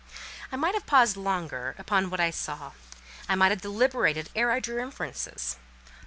I might have paused longer upon what I saw; I might have deliberated ere I drew inferences.